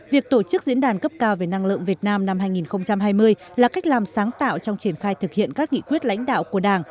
việc tổ chức diễn đàn cấp cao về năng lượng việt nam năm hai nghìn hai mươi là cách làm sáng tạo trong triển khai thực hiện các nghị quyết lãnh đạo của đảng